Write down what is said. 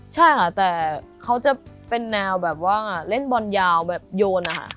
ใช่ค่ะแต่เขาจะเป็นแนวแบบว่าเล่นบอลยาวแบบโยนนะคะ